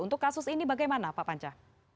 untuk kasus ini bagaimana pak panca